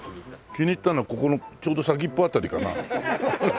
気に入ったのはここのちょうど先っぽ辺りかな。